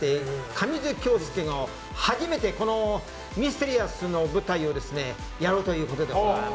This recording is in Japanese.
神津恭介を初めてミステリアスの舞台をやろうということで。